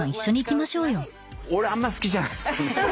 俺あんま好きじゃない。